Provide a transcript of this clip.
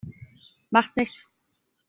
Macht nichts.